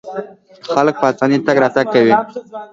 خلک په اسانۍ تګ راتګ کوي.